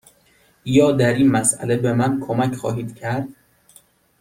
یا در این مسأله به من کمک خواهید کرد؟